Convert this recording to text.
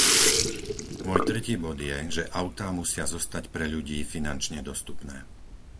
Môj tretí bod je, že autá musia zostať pre ľudí finančne dostupné.